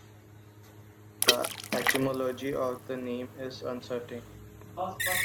The etymology of the name is uncertain.